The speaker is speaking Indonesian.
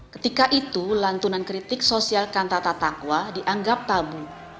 ketika itu lantunan kritik sosial kantata takwa dianggap tabu